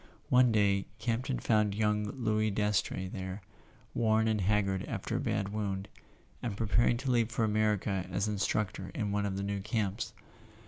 One day Campton found young Louis Dastrey there, worn and haggard after a bad wound, and pre¬ paring to leave for America as instructor in one of the new camps.